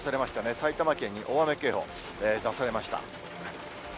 埼玉県に大雨警報、出されました。